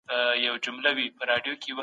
کم خوراک کمزوري راولي.